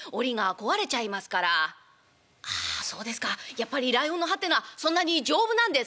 やっぱりライオンの歯ってのはそんなに丈夫なんですか？」。